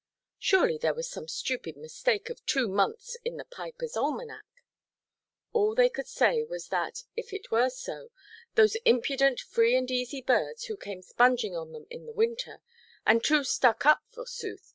Surely there was some stupid mistake of two months in the piperʼs almanac. All they could say was that, if it were so, those impudent free–and–easy birds who came sponging on them in the winter—and too stuck up, forsooth!